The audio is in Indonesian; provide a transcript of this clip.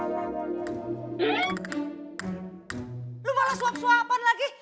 lu malah suap suapan lagi